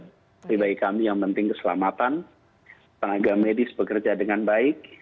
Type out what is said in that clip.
jadi bagi kami yang penting keselamatan tenaga medis bekerja dengan baik